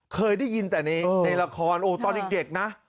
เคยได้ยินแต่ในละครตอนเด็กนะ